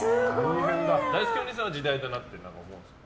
だいすけおにいさんは時代だなって思うんですか？